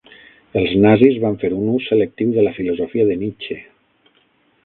Els nazis van fer un ús selectiu de la filosofia de Nietzsche.